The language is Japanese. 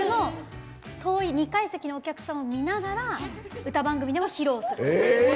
遠い２階席のお客さんを見ながら歌番組でも披露する。